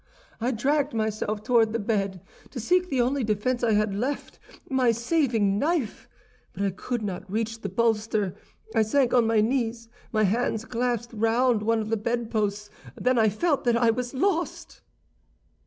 "I dragged myself toward the bed, to seek the only defense I had left—my saving knife; but I could not reach the bolster. I sank on my knees, my hands clasped round one of the bedposts; then I felt that I was lost."